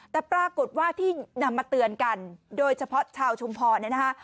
แต่ปรากฏว่าที่นำมาเตือนกันโดยเฉพาะชาวชุมพรเนี่ยนะคะ